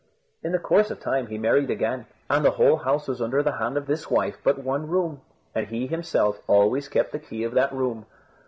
In the course of time he married again, and the whole house was under the hand of this wife but one room, and he himself always kept the key of that room.